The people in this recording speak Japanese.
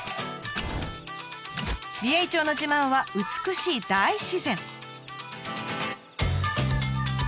美瑛町の自慢は美しい大自然。